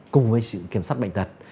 cùng với kiểm soát bệnh tật